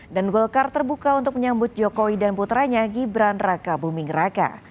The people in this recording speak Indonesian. dan golkar terbuka untuk menyambut jokowi dan putranya gibran raka buming raka